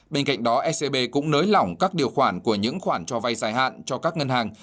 bên cạnh đó ecb cũng nới lỏng các điều khoản của những khoản cho vay dài hạn cho các ngân hàng